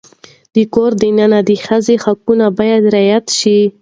د کور دننه د ښځې حقونه باید رعایت شي.